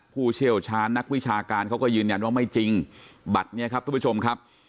ผู้เชี่ยวชาญนักวิชาการเขาก็ยืนยันว่าไม่จริงบัตรเนี่ยครับทุกผู้ชมครับ